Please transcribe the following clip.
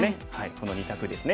この２択ですね。